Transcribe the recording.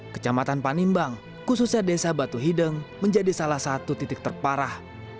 kecamatan panimbang khususnya desa batu hideng menjadi salah satu titik terparah